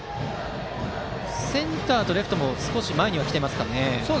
センターとレフトも少し前に来てますかね。